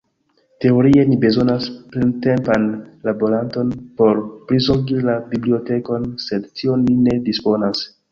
Teorie ni bezonas plentempan laboranton por prizorgi la bibliotekon, sed tion ni ne disponas.